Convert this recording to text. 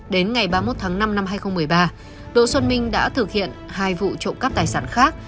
đến ngày ba mươi một tháng năm năm hai nghìn một mươi ba đỗ xuân minh đã thực hiện hai vụ trộm cắp tài sản khác